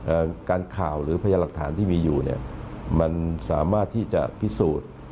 การข่าวหรือพยายามหลักฐานที่มีอยู่เนี่ยมันสามารถที่จะพิสูจน์